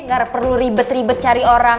nggak perlu ribet ribet cari orang